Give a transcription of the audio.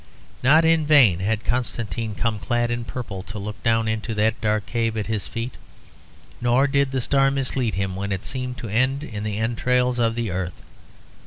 Not in vain had Constantine come clad in purple to look down into that dark cave at his feet; nor did the star mislead him when it seemed to end in the entrails of the earth.